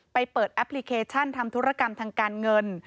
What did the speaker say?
เปิดแอปพลิเคชันทำธุรกรรมทางการเงิน